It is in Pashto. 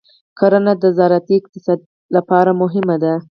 کرنه د زراعتي اقتصاد لپاره مهمه ده.